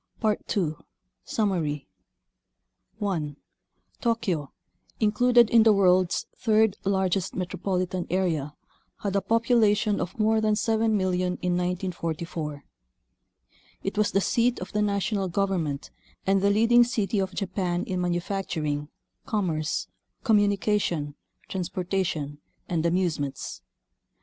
II. Summary 1. Tokyo, included in the world's third largest metropolitan area, had a population of more than 7,000,000 in 1944. It was the seat of the national government and the leading city of Japan in manufacturing, commerce, com munication, transportation, and amusements.